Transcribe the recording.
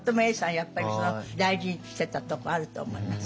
やっぱり大事にしてたとこあると思います。